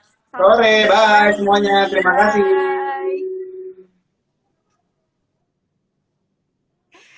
sore bye semuanya terima kasih